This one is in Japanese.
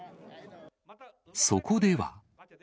そこでは。